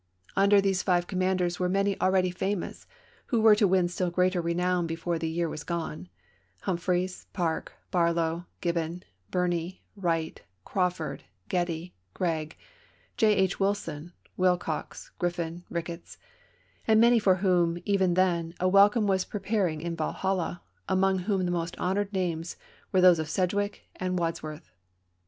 Under these five commanders were many already famous who were to win still greater renown before the year was gone: Humphreys, Parke, Barlow, Gibbon, Birney, Wright, Crawford, Getty, Gregg, J. H. Wilson, Willcox, Griffin, Vol. Vm.— 23 354 ABRAHAM LINCOLN CHAP. XIV. Ricketts ; and many for whom, even then, a wel come was preparing in Valhalla, among whom the most honored names were those of Sedgwick and Wadsworth.